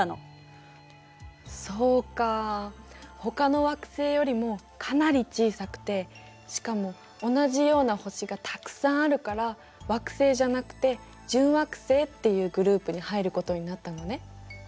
そうかあほかの惑星よりもかなり小さくてしかも同じような星がたくさんあるから惑星じゃなくて準惑星っていうグループに入ることになったのね。